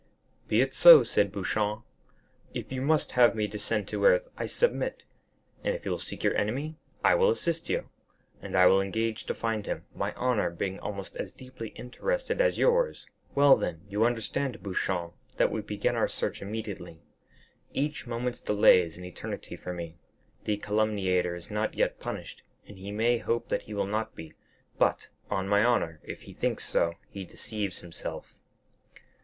"Be it so," said Beauchamp; "if you must have me descend to earth, I submit; and if you will seek your enemy, I will assist you, and I will engage to find him, my honor being almost as deeply interested as yours." "Well, then, you understand, Beauchamp, that we begin our search immediately. Each moment's delay is an eternity for me. The calumniator is not yet punished, and he may hope that he will not be; but, on my honor, if he thinks so, he deceives himself."